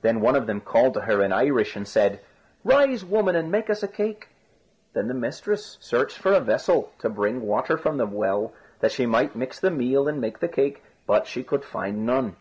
Then one of them called to her in Irish, and said, "Rise, woman, and make us a cake." Then the mistress searched for a vessel to bring water from the well that she might mix the meal and make the cake, but she could find none.